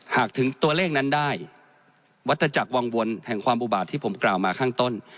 หากถึงตัวเลขนั้นได้วัตถจักรวังวลแห่งความอุบาตที่ผมกล่าวมาข้างต้น